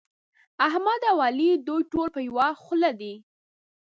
احمد او علي دوی ټول په يوه خوله دي.